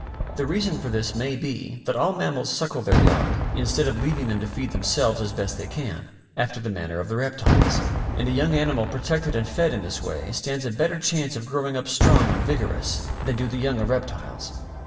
The reason for this may be that all mammals suckle their young instead of leaving them to feed themselves as best they can, after the manner of the reptiles. And a young animal protected and fed in this way stands a better chance of growing up strong and vigorous than do the young of reptiles.